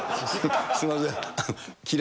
すみません。